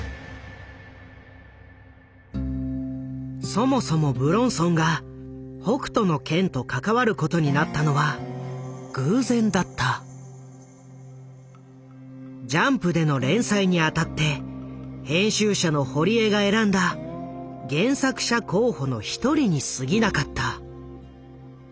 そもそも武論尊が「北斗の拳」と関わることになったのはジャンプでの連載にあたって編集者の堀江が選んだ原作者候補の一人にすぎなかった。